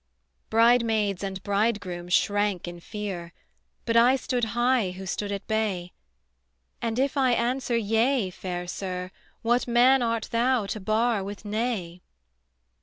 Bridemaids and bridegroom shrank in fear, But I stood high who stood at bay: "And if I answer yea, fair Sir, What man art thou to bar with nay?"